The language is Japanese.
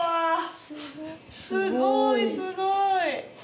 すごすごいすごい！